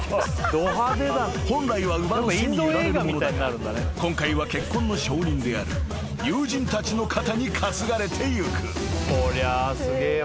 ［本来は馬の背に揺られるものだが今回は結婚の証人である友人たちの肩に担がれていく］